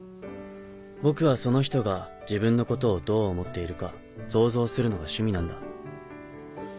僕はその人が自分のことをどう思っているか想像するのが趣味なんだ。